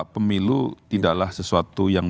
pemilu tidaklah sesuatu yang